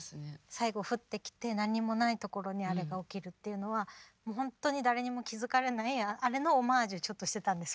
最後降ってきて何もないところにあれが起きるっていうのはもう本当に誰にも気付かれないあれのオマージュちょっとしてたんです。